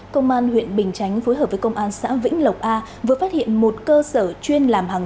công an huyện bình chánh phối hợp với công an xã vĩnh lộc a vừa phát hiện một cơ sở chuyên làm hàng